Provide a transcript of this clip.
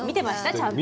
ちゃんと。